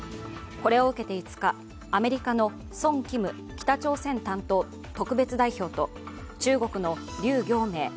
これを受けて５日・アメリカのソン・キム北朝鮮担当特別代表と中国の劉暁明